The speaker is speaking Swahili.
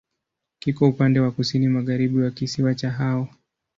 Kiko upande wa kusini-magharibi wa kisiwa cha Hao.